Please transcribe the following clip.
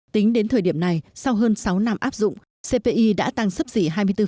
tính đến thời điểm này sau hơn sáu năm áp dụng cpi đã tăng sấp xỉ hai mươi bốn